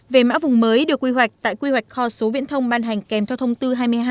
về mã vùng mới được quy hoạch tại quy hoạch kho số viễn thông ban hành kèm theo thông tư hai mươi hai